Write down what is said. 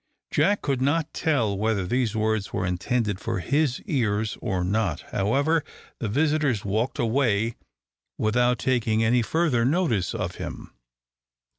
Jack could not tell whether these words were intended for his ears or not. However, the visitors walked away without taking any further notice of him.